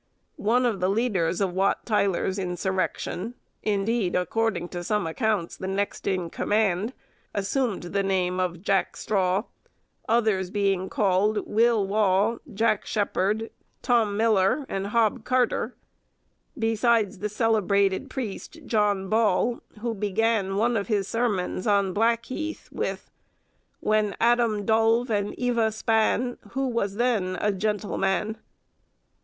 One of the leaders of Wat Tyler's insurrection, indeed, according to some accounts, the next in command, assumed the name of Jack Straw, others being called Wyl Wawe, Jack Shepherd, Tom Miller, and Hob Carter; besides the celebrated priest, John Ball, who began one of his sermons on Blackheath with "When Adam dolue and Evah span, Who was then a gentle man?"